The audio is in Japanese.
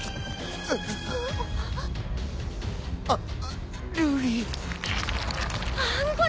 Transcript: あっ。